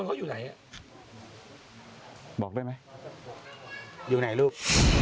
สวัสดีครับ